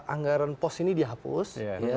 anggaran pos ini dihapus